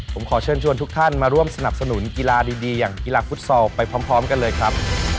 ผมขอเชิญชวนทุกท่านมาร่วมสนับสนุนกีฬาดีอย่างกีฬาฟุตซอลไปพร้อมกันเลยครับ